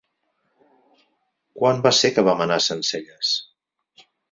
Quan va ser que vam anar a Sencelles?